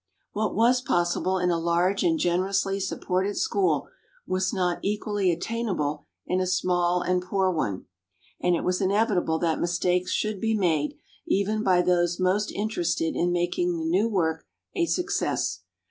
What was possible in a large and generously supported school was not equally attainable in a small and poor one; and it was inevitable that mistakes should be made even by those most interested in making the new work a success.